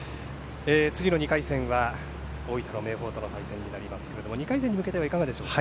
次の２回戦は大分の明豊との対戦になりますが２回戦に向けてはいかがでしょう。